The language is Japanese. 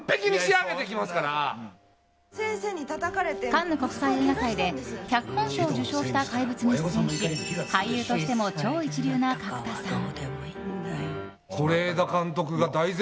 カンヌ国際映画祭で脚本賞を受賞した「怪物」に出演し俳優としても超一流な角田さん。